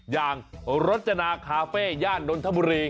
อย่างรจนาคาเฟ่ย่านนทบุรี